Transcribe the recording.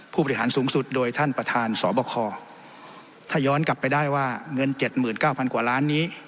ผู้บริหารสูงสุดโดยท่านประธานสบคถ้าย้อนกลับไปได้ว่าเงินเจ็ดหมื่นเก้าพันกว่าล้านนี้